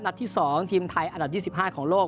ที่๒ทีมไทยอันดับ๒๕ของโลก